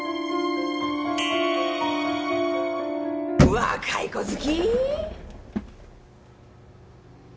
若い子好き！？